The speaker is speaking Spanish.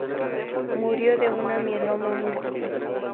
Murió de una mieloma múltiple